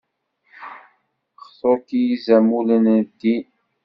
Xḍu-k I yizamulen n ddin.